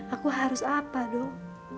aku harus apa dong